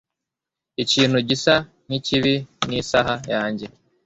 Ikintu gisa nkikibi nisaha yanjye.